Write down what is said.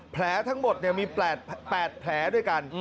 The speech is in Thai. แผลทั้งหมดมี๘แผลด้วยกัน